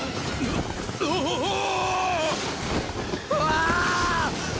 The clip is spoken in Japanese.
うわ！